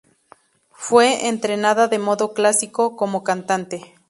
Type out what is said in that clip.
Fue entrenada de modo clásico como cantante.